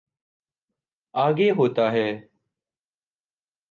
آگے ہوتا ہے۔